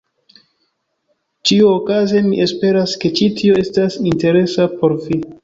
Ĉiuokaze mi esperas, ke ĉi tio estas interesa por vi.